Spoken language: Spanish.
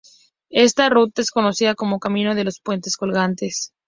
Esta ruta es conocida como Camino de los puentes colgantes.